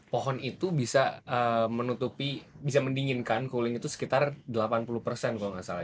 pohon itu bisa menutupi bisa mendinginkan cooling itu sekitar delapan puluh persen kalau nggak salah